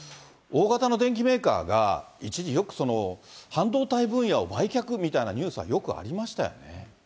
大型の電機メーカーが一時よく半導体分野を売却みたいなニュースがよくありましたよね。